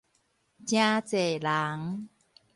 誠濟人